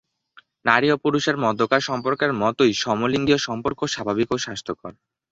নারী ও পুরুষের মধ্যেকার সম্পর্কের মতোই সমলিঙ্গীয় সম্পর্কও স্বাভাবিক ও স্বাস্থ্যকর।